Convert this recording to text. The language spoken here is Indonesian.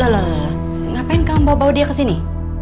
dewa loh loh loh ngapain kamu bawa bawa dia ke sini